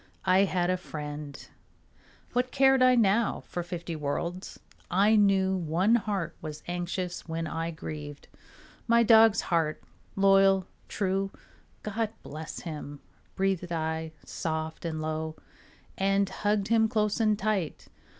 I had a friend; what cared I now For fifty worlds? I knew One heart was anxious when I grieved My dog's heart, loyal, true. "God bless him," breathed I soft and low, And hugged him close and tight.